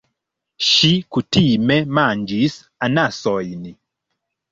Ŝi kutime manĝis anasojn.